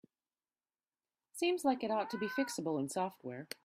Seems like it ought to be fixable in software.